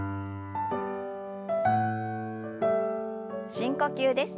深呼吸です。